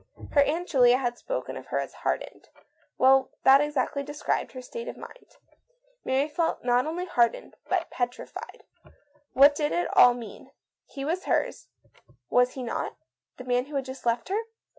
Her Aunt Julia had spoken of her as "hardened." Well, that exactly described her state of mind. Mary felt not only hardened, but petrified. What did it mean ? He was here, was he not ; the man who had just left her?